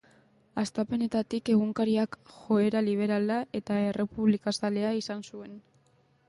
Hastapenetatik, egunkariak joera liberala eta errepublikazalea izan zuen.